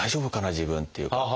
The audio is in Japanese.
自分っていう。